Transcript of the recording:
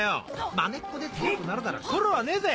マネっこで強くなるなら苦労はねえぜ。